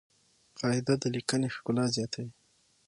قاعده د لیکني ښکلا زیاتوي.